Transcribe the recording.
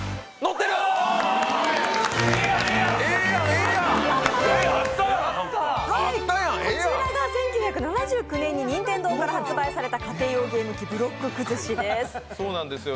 こちらが１９７９年に任天堂から発売された家庭用ゲーム機、ブロック崩しです